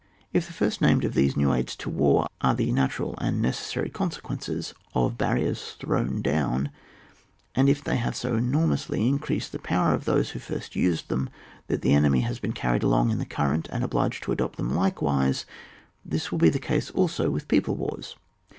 If the first named of these new aids to war are the natural and necessary conse quences of barriers thrown down ; and if they have so enormously increased the power of those who first used them, that the enemy has been carried along in the current, and obliged to adopt them like wise, this will be the case also with people wars.